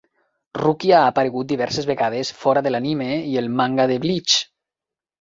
Rukia ha aparegut diverses vegades fora de l'anime i el manga de 'Bleach'.